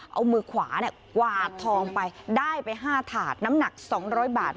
เอามือขวากวาดทองไปได้ไป๕ถาดน้ำหนัก๒๐๐บาท